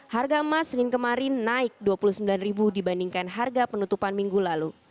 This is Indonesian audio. harga emas senin kemarin naik rp dua puluh sembilan dibandingkan harga penutupan minggu lalu